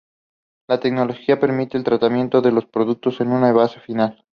La tecnología permite el tratamiento de los productos en su envase final.